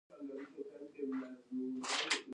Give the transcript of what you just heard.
سفينه په چوتره کې وه.